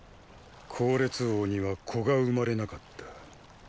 考烈王には子が生まれなかった。